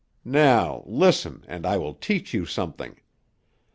Now, listen and I will teach you something.